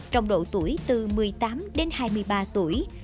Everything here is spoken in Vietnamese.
trong độ tuổi từ một mươi tám đến hai mươi ba tuổi